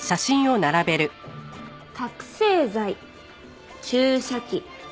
覚醒剤注射器